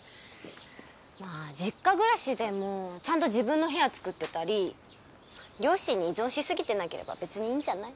まあ実家暮らしでもちゃんと自分の部屋作ってたり両親に依存しすぎてなければ別にいいんじゃない？